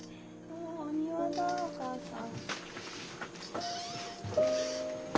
お庭だお母さん。